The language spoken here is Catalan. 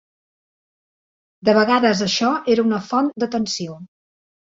De vegades això era una font de tensió.